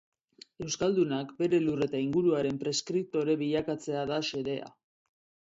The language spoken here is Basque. Euskaldunak bere lur eta inguruaren preskriptore bilakatzea da xedea.